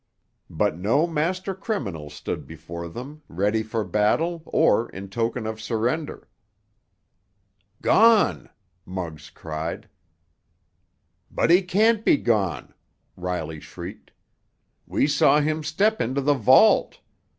But no master criminal stood before them, ready for battle, or in token of surrender! "Gone!" Muggs cried. "But he can't be gone!" Riley shrieked. "We saw him step into the vault!